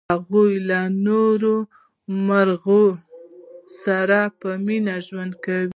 هغه له نورو مرغیو سره په مینه ژوند کاوه.